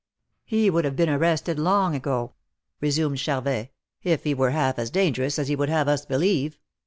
''He would have been arrested long ago," resumed Charvet, " if he were half as dangerous as he would have us believe.